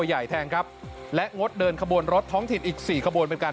ใหญ่แทนครับและงดเดินขบวนรถท้องถิ่นอีกสี่ขบวนเป็นการ